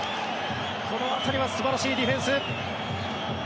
この辺りは素晴らしいディフェンス。